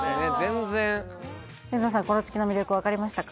全然水野さんコロチキの魅力分かりましたか？